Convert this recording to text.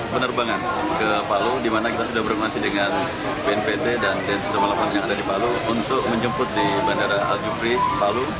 penerbangan ke palu di mana kita sudah berhubungan dengan bnpt dan tensi ketama lapan yang ada di palu untuk menjemput di bandara aljufri palu